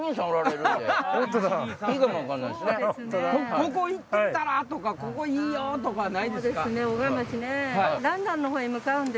ここ行ったら？とかここいいよ！とかないですか？